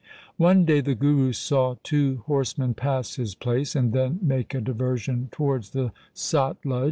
One day the Guru saw two horsemen pass his place and then make a diversion towards the Satluj